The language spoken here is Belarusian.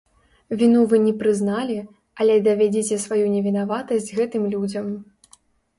Віну вы не прызналі, але давядзіце сваю невінаватасць гэтым людзям.